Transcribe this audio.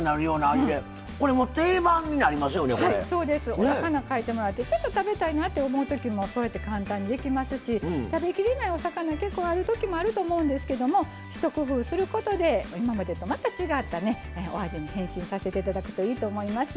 お魚変えてもらってちょっと食べたいなって思う時もそうやって簡単にできますし食べきれないお魚結構ある時もあると思うんですけども一工夫することで今までとまた違ったお味に変身させて頂くといいと思います。